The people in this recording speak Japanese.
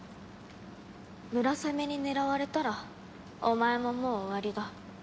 ムラサメに狙われたらお前ももう終わりだ。